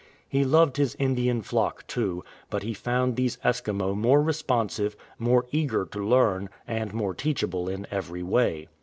He loved his Indian flock too ; but he found these Eskimo more responsive, more eager to learn, and more teachable in every way.